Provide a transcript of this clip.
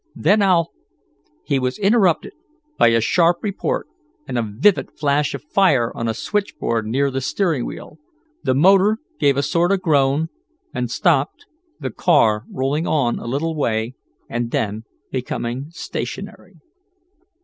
Then I'll " He was interrupted by a sharp report, and a vivid flash of fire on a switch board near the steering wheel. The motor gave a sort of groan, and stopped, the car rolling on a little way, and then becoming stationary.